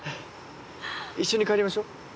一緒に帰りましょう。